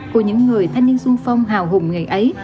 của những người thanh niên sung phong hào hùng ngày ấy